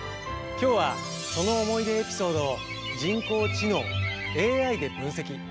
今日はその思い出エピソードを人工知能ＡＩで分析。